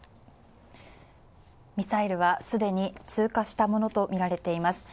ミサイルは既に通過したものとみられています